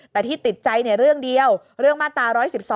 แต่ที่ติดใจเรื่องเดียวเรื่องมาตรา๑๑๒